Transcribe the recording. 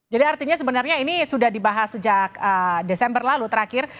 jadi artinya sebenarnya ini sudah dibahas sejak desember lalu terakhir